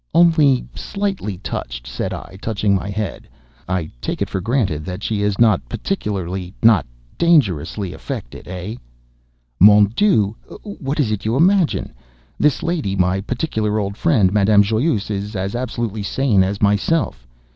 "Only slightly touched?" said I, touching my head. "I take it for granted that she is not particularly not dangerously affected, eh?" "Mon dieu! what is it you imagine? This lady, my particular old friend Madame Joyeuse, is as absolutely sane as myself.